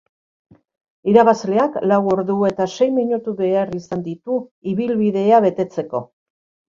Irabazleak, lau ordu eta sei minutu behar izan ditu ibilbidea betetzeko.